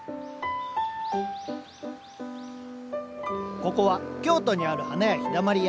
ここは京都にある花屋「陽だまり屋」。